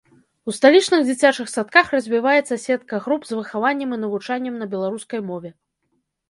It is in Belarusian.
У сталічных дзіцячых садках развіваецца сетка груп з выхаваннем і навучаннем на беларускай мове.